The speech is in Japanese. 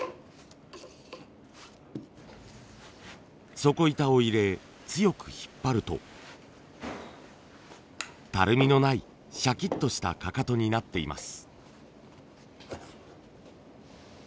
底板を入れ強く引っ張るとたるみのないしゃきっとしたかかとになっています。